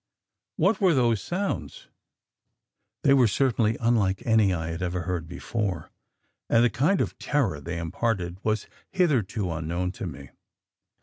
What were those sounds? They were certainly unlike any I had ever heard before, and the kind of terror they imparted was hitherto unknown to me.